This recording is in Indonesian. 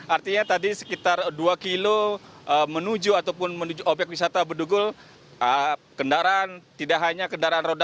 artinya tadi sekitar dua km menuju ataupun menuju obyek wisata bedugul kendaraan tidak hanya kendaraan roda